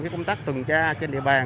những công tác tuần tra trên địa bàn